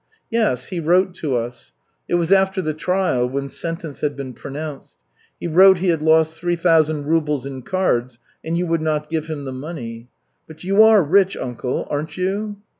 "Yes, he wrote to us. It was after the trial, when sentence had been pronounced. He wrote he had lost three thousand rubles in cards and you would not give him the money. But you are rich, uncle, aren't you?"